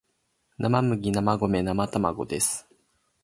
生麦生米生卵です